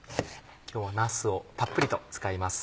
今日はなすをたっぷりと使います。